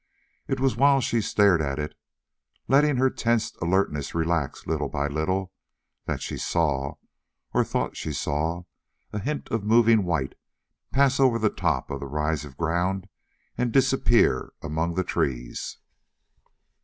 It was while she stared at it, letting her tensed alertness relax little by little, that she saw, or thought she saw, a hint of moving white pass over the top of the rise of ground and disappear among the trees.